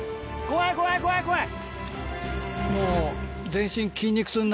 怖い怖い怖い怖い！